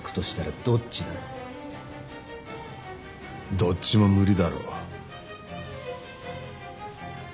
どっちも無理だろう。